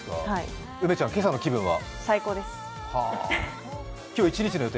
梅ちゃん、今朝の気分は？